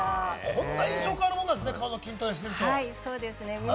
こんな印象変わるもんなんですね、顔の筋トレしてると。